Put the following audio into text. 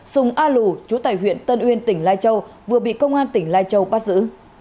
sùng a lù chú tài huyện tân uyên tỉnh lai châu vừa bị công an tỉnh lai châu bắt giữ